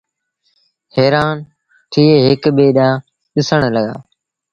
هيرآن ٿئي هڪ ٻي ڏآنٚهنٚ ڏسڻ لڳآ